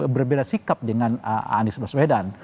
berbeda sikap dengan anies baswedan